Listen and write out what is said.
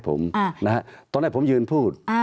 ตั้งแต่เริ่มมีเรื่องแล้ว